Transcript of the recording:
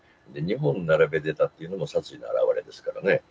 ２本並べてたっていうのも、殺意の表れですからね。